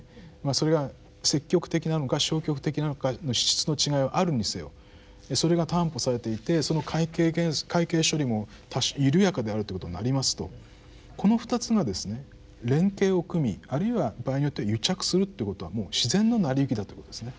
それが積極的なのか消極的なのかの質の違いはあるにせよそれが担保されていてその会計処理も緩やかであるということになりますとこの２つがですね連携を組みあるいは場合によっては癒着するっていうことはもう自然の成り行きだということですね。